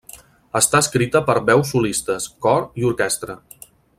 Està escrita per a veus solistes, cor i orquestra.